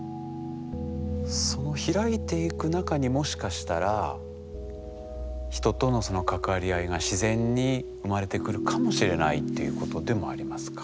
その開いていく中にもしかしたら人との関わり合いが自然に生まれてくるかもしれないっていうことでもありますか？